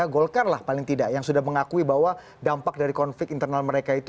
golkar lah paling tidak yang sudah mengakui bahwa dampak dari konflik ini